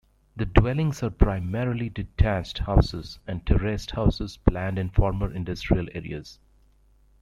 The dwellings are primarily detached houses and terraced houses planned in former industrial areas.